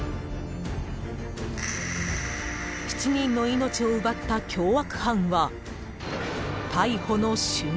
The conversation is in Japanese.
［７人の命を奪った凶悪犯は逮捕の瞬間］